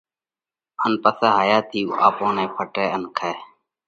ان پسئہ هايا ٿِي اُو آپون نئہ ڦٽئه ان کائه۔